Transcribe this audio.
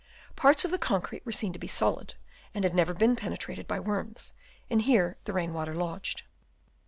Parts of the concrete were seen to be solid, and had never been penetrated by worms, and here the rain water lodged.